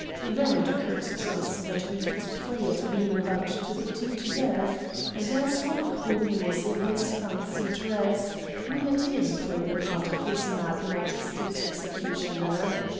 Then it occurred to us that we could play at being about to put him to death, and, as von Krugen was in his fancy dress, we let him play the part of his mad Majesty's executioner.